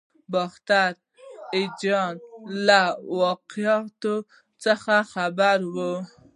باختر اجان له واقعاتو څخه خبر وي.